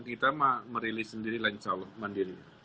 kita merilis sendiri lancar mandiri